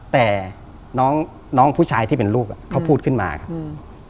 แต่น้องผู้ชายที่เป็นลูกเขาพูดขึ้นมาครับ